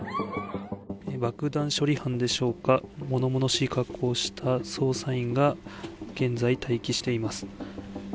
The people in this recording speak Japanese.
爆弾処理班でしょうか、ものものしい格好をした捜査員が、現在、待機しています。